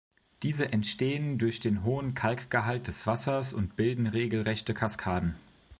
Diese entstehen durch den hohen Kalkgehalt des Wassers und bilden regelrechte Kaskaden.